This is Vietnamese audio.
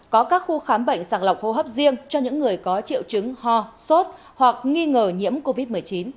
có các khu khám bệnh sàng lọc hô hấp riêng cho những người có triệu chứng ho sốt hoặc nghi ngờ nhiễm covid một mươi chín